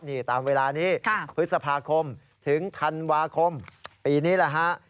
นี่ตามเวลานี้พฤษภาคมถึงธันวาคมปีนี้แหละฮะ